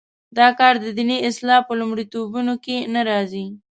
دا کار د دیني اصلاح په لومړیتوبونو کې نه راځي.